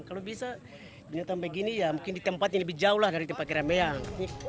kalau bisa binatang begini ya mungkin di tempat yang lebih jauh lah dari tempat keramayang